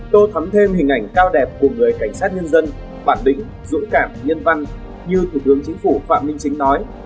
tôi thấm thêm hình ảnh cao đẹp của người cảnh sát nhân dân bản đỉnh dũng cảm nhân văn như thủ tướng chính phủ phạm minh chính nói